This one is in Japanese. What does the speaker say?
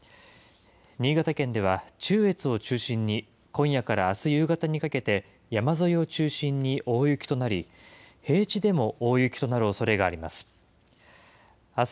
新潟県では中越を中心に、今夜からあす夕方にかけて、山沿いを中心に大雪となり、平地でも大雪となるおそれがあります。